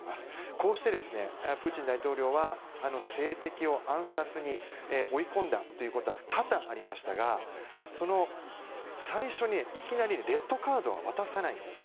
こうしてプーチン大統領は政敵を暗殺に追い込んだということは多々ありましたが最初にいきなりレッドカードは渡さないんです。